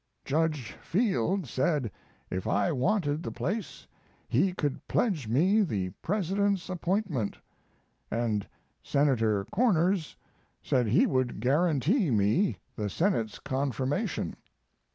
Judge Field said if I wanted the place he could pledge me the President's appointment, and Senator Corners said he would guarantee me the Senate's confirmation.